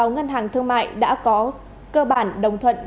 một mươi sáu ngân hàng thương mại đã có cơ bản đồng thuận